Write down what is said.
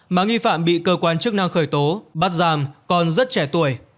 mà nghi phạm bị cơ quan chức năng khởi tố bắt giam còn rất trẻ tuổi